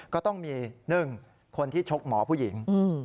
ก็ต้องมี๑คนที่ชกหมอผู้หญิง